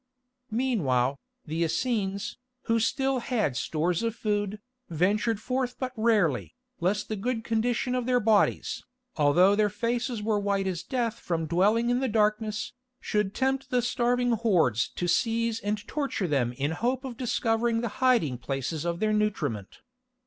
Meanwhile, the Essenes, who still had stores of food, ventured forth but rarely, lest the good condition of their bodies, although their faces were white as death from dwelling in the darkness, should tempt the starving hordes to seize and torture them in the hope of discovering the hiding places of their nutriment.